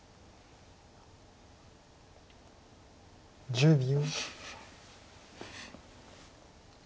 １０秒。